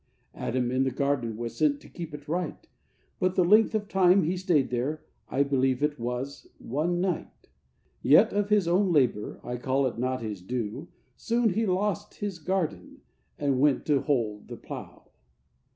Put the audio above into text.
'Adam in the garden was sent to keep it right, But the length of time he stayed there, I believe it was one night; Yet of his own labour, I call it not his due, Soon he lost his garden, and went to hold the plough.